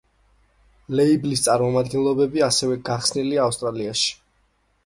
ლეიბლის წარმომადგენლობები ასევე გახსნილია ავსტრალიაში.